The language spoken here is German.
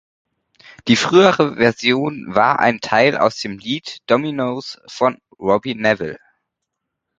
Die frühere Version war ein Teil aus dem Lied "Dominoes" von Robbie Nevil.